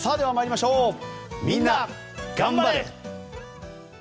みんながん晴れ！